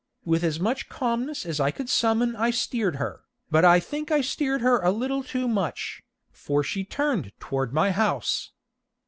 With as much calmness as I could summon I steered her, but I think I steered her a little too much, for she turned toward my house.